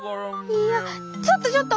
いやちょっとちょっと！